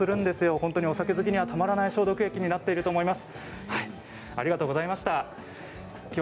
本当にお酒好きにはたまらない消毒液になっていると思います。